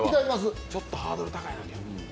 ちょっとハードル高いな。